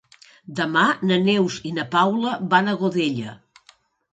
Demà na Neus i na Paula van a Godella.